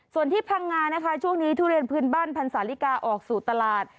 ส่วนที่พังงานะคะช่วงนี้ทุเรียนพื้นบ้านพันสาลิกาออกสู่ตลาด